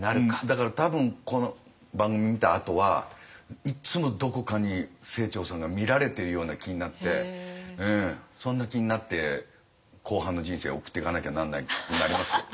だから多分この番組見たあとはいっつもどこかに清張さんが見られてるような気になってそんな気になって後半の人生送ってかなきゃなんなくなりますよ。